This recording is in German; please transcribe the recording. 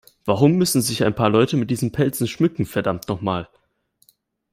Warum müssen sich ein paar Leute mit diesen Pelzen schmücken, verdammt nochmal!